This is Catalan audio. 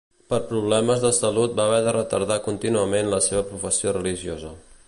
Per problemes de salut va haver de retardar contínuament la seva professió religiosa.